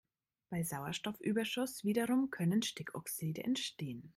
Bei Sauerstoffüberschuss wiederum können Stickoxide entstehen.